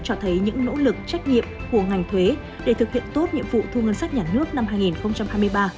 cho thấy những nỗ lực trách nhiệm của ngành thuế để thực hiện tốt nhiệm vụ thu ngân sách nhà nước năm hai nghìn hai mươi ba